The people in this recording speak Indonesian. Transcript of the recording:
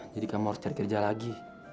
jadi kamu harus cari kerja lagi